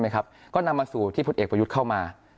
ก็นำมาสู่ที่พลเอกประยุทธ์เข้ามา